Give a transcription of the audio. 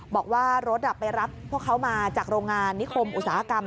บอกว่ารถไปรับพวกเขามาจากโรงงานนิคมอุตสาหกรรม